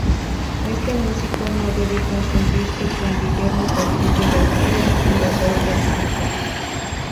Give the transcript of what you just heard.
Este músico no debe confundirse con "Guillermo Castillo García", fundador del grupo.